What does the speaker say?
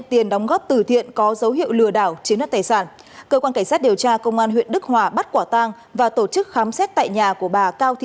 hãy đăng ký kênh để nhận thông tin nhất